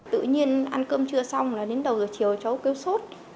tự nhiên ăn cơm chưa xong là đến đầu giờ chiều cháu kêu sốt